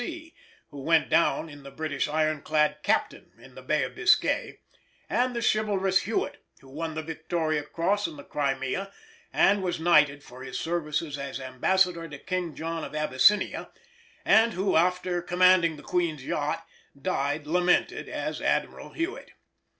C., who went down in the British iron clad, Captain, in the Bay of Biscay; and the chivalrous Hewett, who won the Victoria Cross in the Crimea and was knighted for his services as ambassador to King John of Abyssinia, and who, after commanding the Queen's yacht, died lamented as Admiral Hewett.